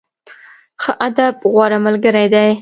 ښه ادب، غوره ملګری دی.